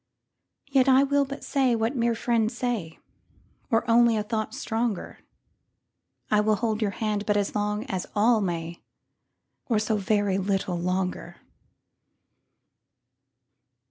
Yet I will but say what mere friends say, Or only a thought stronger;I will hold your hand but as long as all may, Or so very little longer!